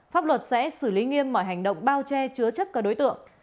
pháp luật sẽ xử lý nghiêm mọi hành động bao che chứa chấp các đối tượng